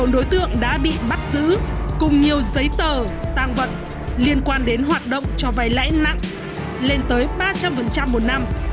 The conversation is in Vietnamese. bốn mươi bốn đối tượng đã bị bắt giữ cùng nhiều giấy tờ tàng vật liên quan đến hoạt động cho vầy lãi nặng lên tới ba trăm linh một năm